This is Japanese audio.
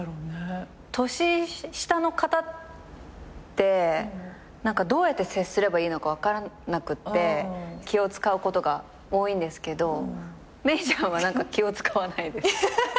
年下の方ってどうやって接すればいいのか分からなくて気を使うことが多いんですけど芽郁ちゃんは何か気を使わないです。